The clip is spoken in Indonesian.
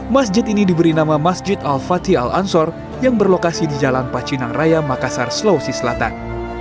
masjid ini diberi nama masjid al fatih al ansor yang berlokasi di jalan pacinang raya makassar sulawesi selatan